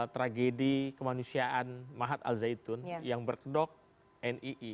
tragedi kemanusiaan mahat al zaitun yang berkedok nii